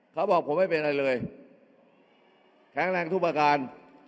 เขาบอกผมไม่เป็นอะไรเลยแข็งแรงทุกประการ